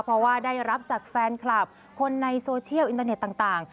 เพราะว่าได้รับจากแฟนคลับคนในโซเชียลอินเตอร์เน็ตต่าง